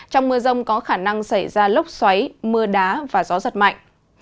trong mưa rông có khả năng xảy ra lốc xoáy mưa đá và gió giật mạnh